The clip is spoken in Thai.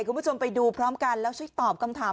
คุณผู้ชมไปดูพร้อมกันแล้วช่วยตอบคำถาม